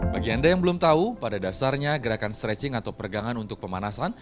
bagi anda yang belum tahu pada dasarnya gerakan stretching atau pergangan untuk pemanasan